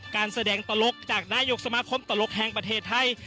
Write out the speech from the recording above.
การแสดงตลกจากนายกสมาคมตลกแห่งประเทศไทย